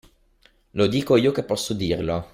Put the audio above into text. Lo dico io che posso dirlo.